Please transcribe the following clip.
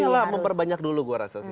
iya lah memperbanyak dulu gue rasa sih